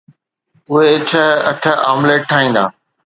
اهي ڇهه اٺ آمليٽ ٺاهيندا